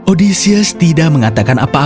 odysseus tidak mengatakan apa yang dia katakan